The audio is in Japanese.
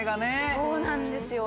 そうなんですよ。